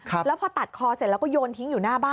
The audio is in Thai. แล้วพอตัดคอเสร็จแล้วก็โยนทิ้งอยู่หน้าบ้าน